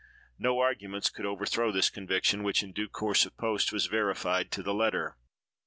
No arguments could overthrow this conviction, which, in due course of post, was verified to the letter.